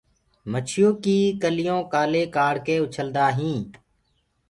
مڇيو ڪي ڪليو ڪآلي ڪآڙڪي اُڇل ديندآ هين